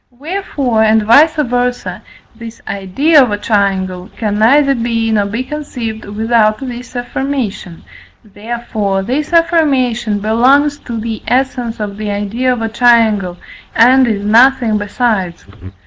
Wherefore, and vice versâ, this idea of a triangle can neither be nor be conceived without this affirmation, therefore, this affirmation belongs to the essence of the idea of a triangle, and is nothing besides.